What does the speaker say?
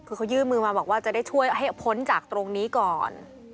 คือเขายื่นมือมาบอกว่าจะได้ช่วยให้พ้นจากตรงนี้ก่อน